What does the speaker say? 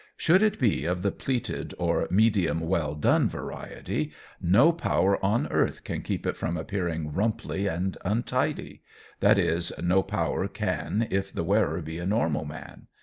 Should it be of the pleated or medium well done variety, no power on earth can keep it from appearing rumply and untidy; that is, no power can if the wearer be a normal man.